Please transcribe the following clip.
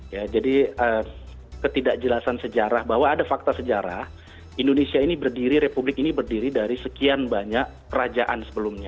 ya jadi ketidakjelasan sejarah bahwa ada fakta sejarah indonesia ini berdiri republik ini berdiri dari sekian banyak kerajaan sebelumnya